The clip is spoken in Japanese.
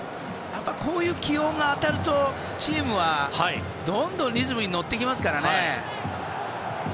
こういう起用が当たるとチームはどんどんリズムに乗ってきますからね。